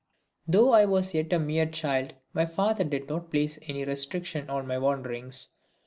Though I was yet a mere child my father did not place any restriction on my wanderings.